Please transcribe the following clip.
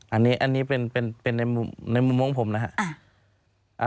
อันนี้เป็นในมุมมุ้งผมนะฮะ